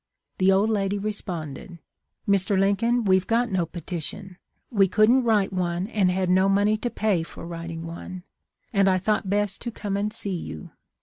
The old lady responded, ' Mr. Lincoln, we've got no petition ; we couldn't write one and had no money to pay for writing one, and I thought best to come and see you.'